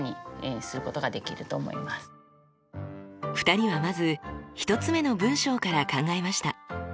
２人はまず１つ目の文章から考えました。